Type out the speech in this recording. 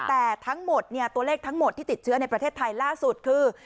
แต่ทั้งหมดตัวเลขทั้งหมดที่ติดเชื้อในประเทศไทยล่าสุดคือ